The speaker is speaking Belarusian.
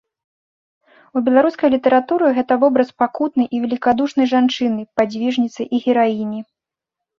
У беларускай літаратуры гэта вобраз пакутнай і велікадушнай жанчыны, падзвіжніцы і гераіні.